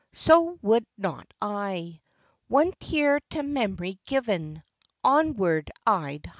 ^■' So would not I; One tear to mem'ry given, . Onward I'd hie.